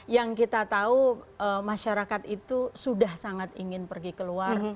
yang kita tahu masyarakat itu sudah sangat ingin pergi keluar